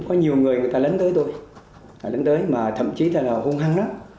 có nhiều người người ta lấn tới tôi lấn tới mà thậm chí là hung hăng lắm